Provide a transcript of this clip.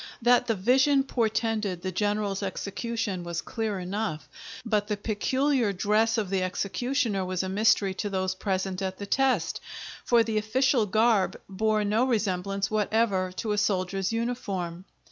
That the vision portended the general's execution was clear enough, but the peculiar dress of the executioner was a mystery to those present at the test, for the official garb bore no resemblance whatever to a soldier's uniform.